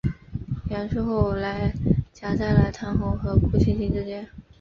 杨树后来夹在了唐红和顾菁菁之间。